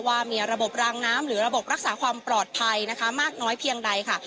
ว่ามีระบบรางน้ำหรือระบบรักษาความปลอดภัยนะคะมากน้อยเพียงใดค่ะ